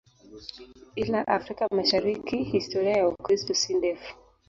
Ila Afrika Mashariki historia ya Ukristo si ndefu.